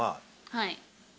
はい。